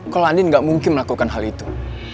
kalau andi tidak mungkin melakukan hal itu